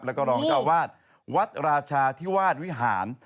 แล้วก็รองเจ้าวาดวัดราชาธิวาสวิหาร